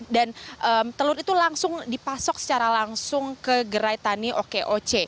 dan telur itu langsung dipasok secara langsung ke gerai tani okoc